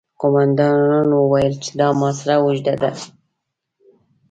قوماندانانو وويل چې دا محاصره اوږده ده.